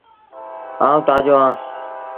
آئوٚݩ تآجو اهآݩ۔